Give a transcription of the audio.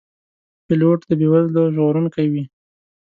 پیلوټ د بې وزلو ژغورونکی وي.